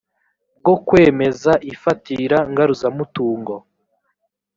bwo kwemeza ifatira ngaruzamutungo